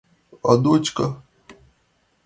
Адочка...